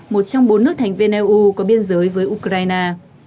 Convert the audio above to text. một trong bốn nước thành viên eu có biên giới với ukraine